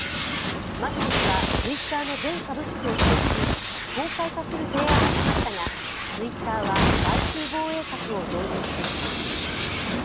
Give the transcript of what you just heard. マスク氏はツイッターの全株式を取得し非公開化する提案をしましたがツイッターは買収防衛策を導入しています。